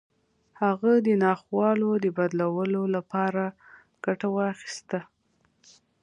هغه د ناخوالو د بدلولو لپاره ګټه واخيسته.